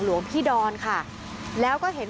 หลวงพี่ดอนค่ะแล้วก็เห็น